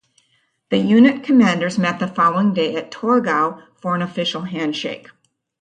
The unit commanders met the following day at Torgau for an official handshake.